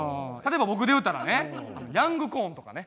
僕でいうたらねヤングコーンとかね。